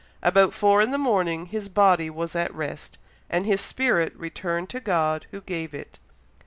About four in the morning his body was at rest, and his spirit returned to God who gave it.